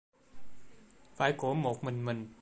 Phải của một mình mình